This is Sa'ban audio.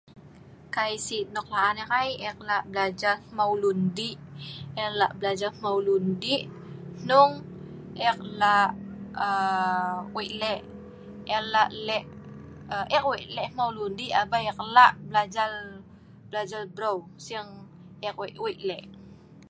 Kai sii nok laan ek ai, ek lak belajar hmau lun dik, ek lak belajar hmau lun dik hnuung, ek lak aa ek lak wik lek, ek lek hmau lun di'ik abei, ek lak belajar brew, siing ek wik wik lek